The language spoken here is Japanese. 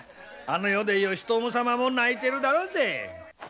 あの世で義朝様も泣いてるだろうぜ。